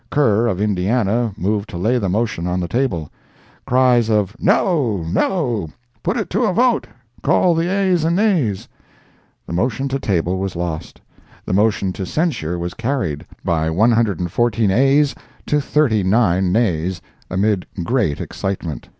Kerr, of Indiana, moved to lay the motion on the table. [Cries of "No!—no!—put it to a vote!—call the ayes and nays!"] The motion to table was lost; the motion to censure was carried, by 114 ayes to 39 nays, amid great excitement.